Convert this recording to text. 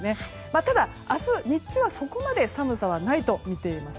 ただ、明日日中はそこまで寒さはないとみています。